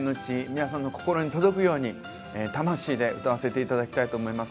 皆さんの心に届くように魂で歌わせていただきたいと思います。